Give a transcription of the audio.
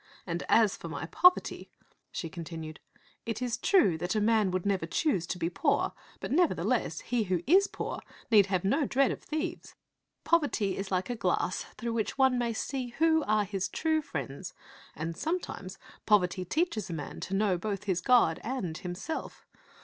And as for my poverty," she continued, " it is true that a man would never choose to be poor ; but, nevertheless, he who is poor need have no dread of thieves. Poverty is like a glass through which one may see who are his true friends ; and sometimes poverty teaches a man to know both his God and himself.